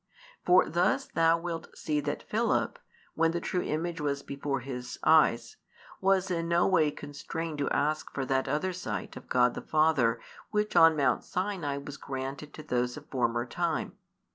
For thus thou wilt see that Philip, when the true Image was before his eyes, was in no way constrained to ask for that other sight of God the Father which on Mount Sinai was granted to those of former time.